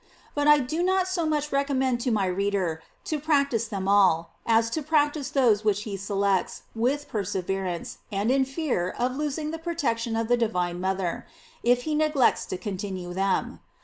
But I do not so much recommend to my reader to practise them all, as to practise those which he selects, with perseverance, and in fear of losing the protection of the divine mother, if he neglects to continue them.